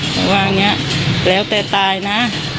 เขาว่าอย่างนี้แล้วแต่ตายนะ